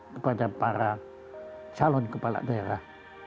kepada para calon kepala daerah